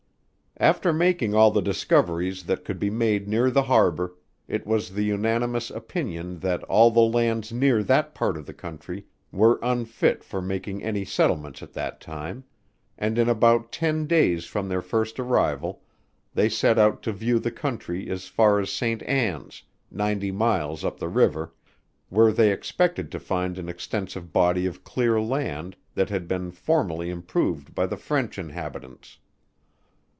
After making all the discoveries that could be made near the harbour, it was the unanimous opinion that all the lands near that part of the Country, were unfit for making any settlements at that time, and in about ten days from their first arrival, they set out to view the country as far as Saint Anns, ninety miles up the river, where they expected to find an extensive body of clear land that had been formerly improved by the French inhabitants.